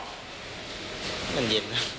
มันเย็น